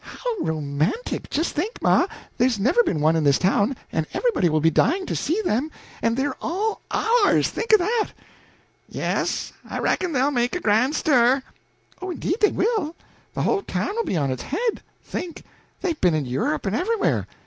How romantic! Just think, ma there's never been one in this town, and everybody will be dying to see them, and they're all ours! Think of that!" "Yes, I reckon they'll make a grand stir." "Oh, indeed they will. The whole town will be on its head! Think they've been in Europe and everywhere!